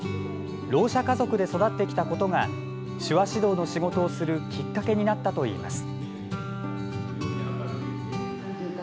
ろう者家族で育ってきたことが手話指導の仕事をするきっかけになったといいます。